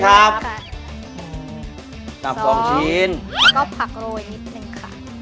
ตับ๒ชิ้นต้องตามไปแล้วก็พักโรยนิดนึงค่ะ